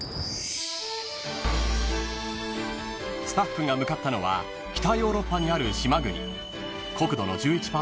［スタッフが向かったのは北ヨーロッパにある島国］